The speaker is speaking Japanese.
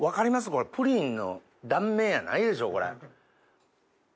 これプリンの断面やないでしょ？